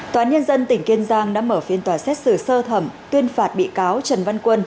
tòa án nhân dân tỉnh kiên giang đã mở phiên tòa xét xử sơ thẩm tuyên phạt bị cáo trần văn quân